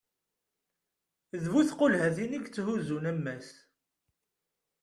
d bu tqulhatin i yetthuzzun ammas